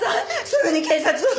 すぐに警察を。